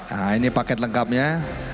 nah ini paket lengkapnya